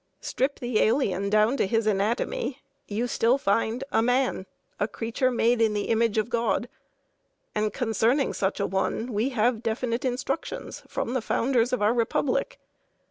Strip the alien down to his anatomy, you still find a man, a creature made in the image of God; and concerning such a one we have definite instructions from the founders of the Republic.